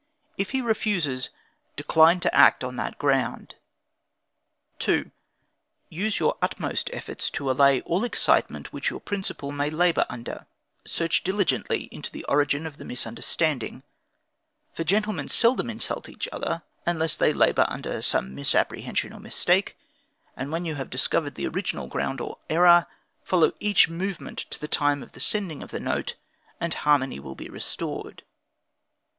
If he refuses, decline to act on that ground. 2. Use your utmost efforts to allay all excitement which your principal may labor under; search diligently into the origin of the misunderstanding; for gentlemen seldom insult each other, unless they labor under some misapprehension or mistake; and when you have discovered the original ground or error, follow each movement to the time of sending the note, and harmony will be restored.